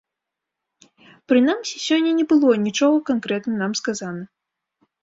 Прынамсі сёння не было нічога канкрэтна нам сказана.